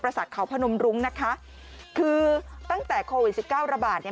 ประสาทเขาพนมรุ้งนะคะคือตั้งแต่โควิด๑๙ระบาดเนี่ย